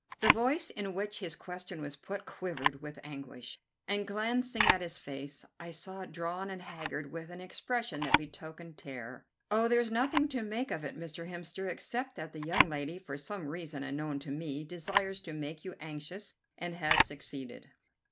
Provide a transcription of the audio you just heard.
The voice in which his question was put quivered with anguish, and, glancing at his face, I saw it drawn and haggard with an expression that betokened terror. "Oh, there's nothing to make of it, Mr. Hemster, except that the young lady, for some reason unknown to me, desires to make you anxious and has succeeded."